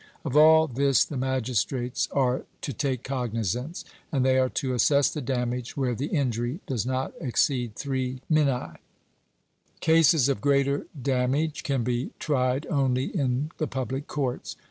Of all this the magistrates are to take cognizance, and they are to assess the damage where the injury does not exceed three minae; cases of greater damage can be tried only in the public courts.